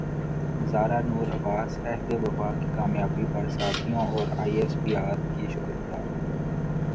زارا نور عباس عہد وفا کی کامیابی پر ساتھیوں اور ائی ایس پی ار کی شکر گزار